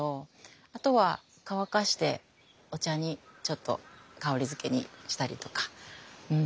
あとは乾かしてお茶にちょっと香りづけにしたりとか。